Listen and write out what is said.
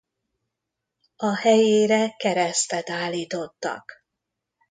A helyére keresztet állítottak.